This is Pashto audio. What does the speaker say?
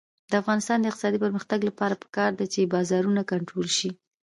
د افغانستان د اقتصادي پرمختګ لپاره پکار ده چې بازارونه کنټرول شي.